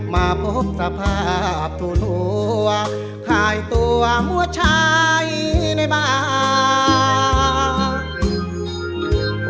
มาพบสภาพทั่วขายตัวมัวชายในบ้าน